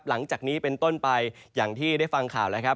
หลังจากนี้เป็นต้นไปอย่างที่ได้ฟังข่าวแล้วครับ